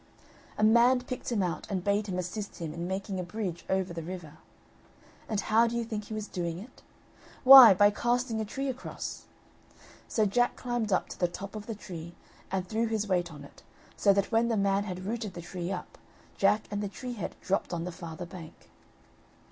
A man picked him out and bade him assist him in making a bridge over the river; and how do you think he was doing it? Why, by casting a tree across; so Jack climbed up to the top of the tree and threw his weight on it, so that when the man had rooted the tree up, Jack and the tree head dropped on the farther bank.